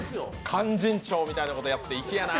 勧進帳みたいなことやって、粋やな。